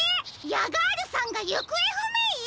ヤガールさんがゆくえふめい！？